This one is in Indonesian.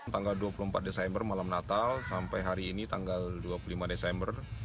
tanggal dua puluh empat desember malam natal sampai hari ini tanggal dua puluh lima desember